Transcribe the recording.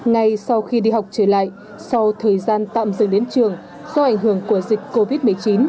ngay sau khi đi học trở lại sau thời gian tạm dừng đến trường do ảnh hưởng của dịch covid một mươi chín